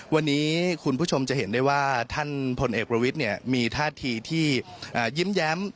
วันนี้คุณผู้ชมจะเห็นได้ว่าท่านพลเอกประวิทย์มีท่าทีที่ยิ้มแย้ม